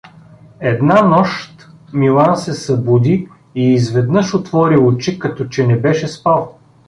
Една нощ Милан се събуди и изведнъж отвори очи, като че не беше спал.